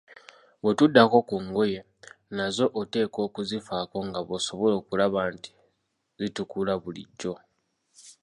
Bwe tuddako ku ngoye, nazo oteekwa okuzifaako nga bw'osobola okulaba nti zitukula bulijjo.